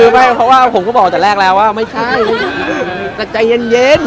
คือไม่เพราะว่าผมก็บอกแต่แรกแล้วว่าไม่ใช่แต่ใจเย็น